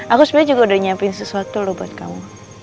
aku sebenarnya juga udah nyiapin sesuatu loh buat kamu